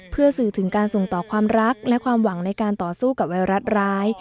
เพื่อสื่อถึงการส่งต่อความรักและความหวังในการต่อสู้กับไวรัสร้าย